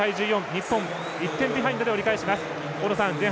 日本、１点ビハインドで折り返します。